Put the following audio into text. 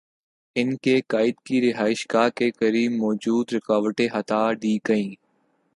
ان کے قائد کی رہائش گاہ کے قریب موجود رکاوٹیں ہٹا دی گئیں۔